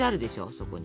そこに。